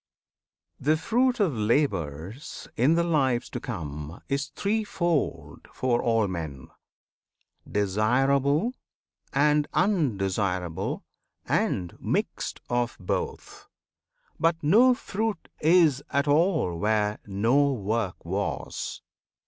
The fruit of labours, in the lives to come, Is threefold for all men, Desirable, And Undesirable, and mixed of both; But no fruit is at all where no work was.